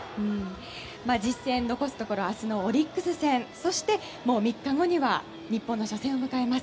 実戦、残すところ明日のオリックス戦そして、３日後には日本の初戦を迎えます。